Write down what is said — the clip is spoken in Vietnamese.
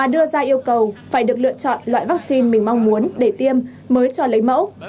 ta yêu cầu phải được lựa chọn loại vaccine mình mong muốn để tiêm mới cho lấy mẫu